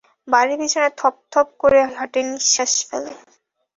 বাড়ির পিছনে থপথপ করে হাঁটে নিঃশ্বাস ফেলে।